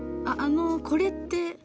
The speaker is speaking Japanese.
ああのこれって。